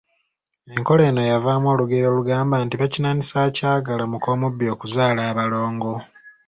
Enkola eno yavaamu olugero olugamba nti, Bakinaanise akyagala, muk’omubbi okuzaala abalongo.